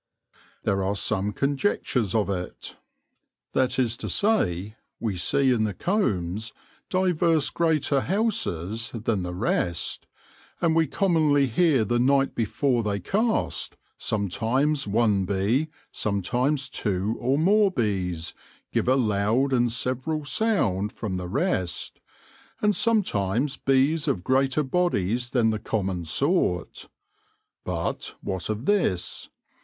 There are some conjectures of it, viz., wee see in the combs diverse greater houses than the rest, and we commonly hear the night before they cast, sometimes one Bee, sometimes two or more Bees, give a lowde and severall sound from the rest, and sometimes Bees of greater bodies than the com mon sort : but what of all this